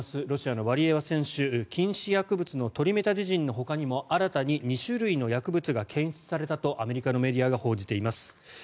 ロシアのワリエワ選手禁止薬物のトリメタジジンのほかにも新たに２種類の薬物が検出されたとアメリカのメディアが報じています。